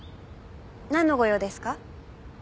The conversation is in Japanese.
なんのご用ですか？